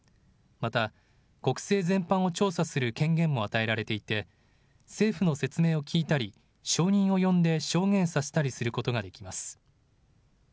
また、国政全般を調査する権限も与えられていて、政府の説明を聞いたり、証人を呼んで証言させたりすることができます。